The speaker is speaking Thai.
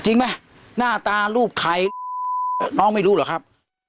จริงไหมหน้าตารูปใครน้องไม่รู้เหรอครับ